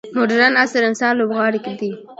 مډرن عصر انسان لوبغاړی دی.